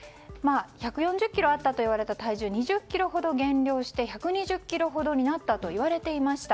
１４０ｋｇあったといわれた体重を２０ｋｇほど減量して１２０ｋｇほどになったといわれていました。